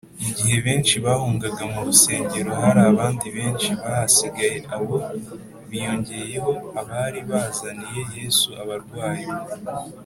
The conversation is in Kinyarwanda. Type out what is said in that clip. igihe benshi bahungaga mu rusengero, hari abandi benshi bahasigaye abo biyongeyeho abari bazaniye yesu abarwayi